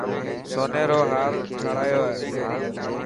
سوني رو هار ٺارايو هي.